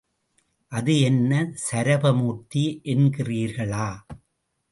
அது என்ன சரபமூர்த்தி என்கிறீர்களா?